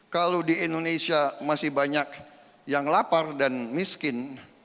kalau di indonesia masih banyak yang lapar dan miskin